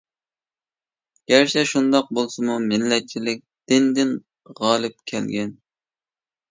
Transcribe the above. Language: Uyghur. گەرچە شۇنداق بولسىمۇ، مىللەتچىلىك دىندىن غالىپ كەلگەن.